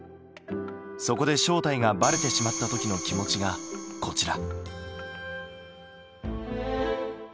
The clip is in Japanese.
そこで正体がバレてしまった時の気持ちがこちら。